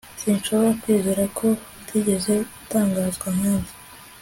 Sinshobora kwizera ko utigeze utangazwa nkanjye